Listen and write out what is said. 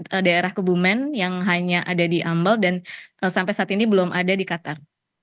ada daerah kebumen yang hanya ada di amble dan sampai saat ini belum ada di qatar